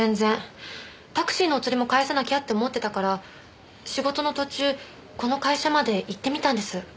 タクシーのお釣りも返さなきゃって思ってたから仕事の途中この会社まで行ってみたんです。